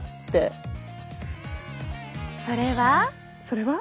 それは？